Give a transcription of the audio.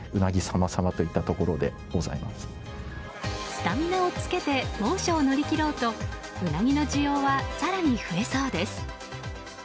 スタミナをつけて猛暑を乗り切ろうとウナギの需要は更に増えそうです。